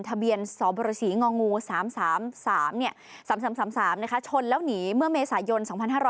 ทะเบียนสบศง๓๓๓ชนแล้วหนีเมื่อเมษายน๒๕๖๐